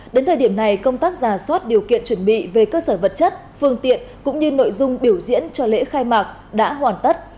đến thời điểm này công tác giả soát điều kiện chuẩn bị về cơ sở vật chất phương tiện cũng như nội dung biểu diễn cho lễ khai mạc đã hoàn tất